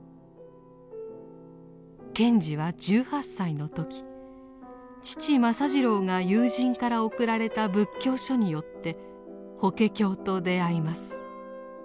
賢治は１８歳の時父政次郎が友人から贈られた仏教書によって法華経と出会います。